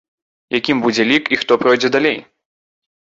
Якім будзе лік і хто пройдзе далей?